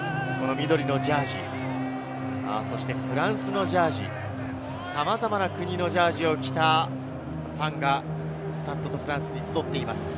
緑のジャージー、そしてフランスのジャージー、さまざまな国のジャージーを着たファンがスタッド・ド・フランスに集っています。